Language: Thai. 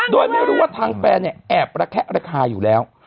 โดยไม่รู้ว่าทางแฟนเนี่ยแอบระแคะราคาอยู่แล้ว